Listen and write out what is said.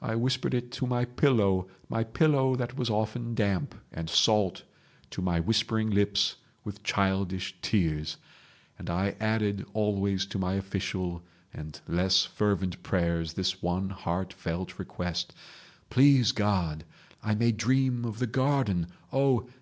I whispered it to my pillow—my pillow that was often damp and salt to my whispering lips with childish tears. And I added always to my official and less fervent prayers this one heartfelt request: 'Please God I may dream of the garden. Oh!